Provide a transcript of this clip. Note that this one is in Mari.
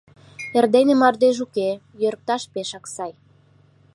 Эрдене мардеж уке, йӧрыкташ пешак сай.